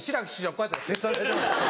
こうやって。